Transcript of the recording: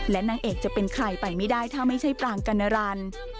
และนางเอกจะเป็นใครไปไม่ได้ถ้าไม่ใช่ปรางกัณรัน